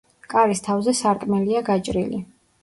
კარის თავზე სარკმელია გაჭრილი.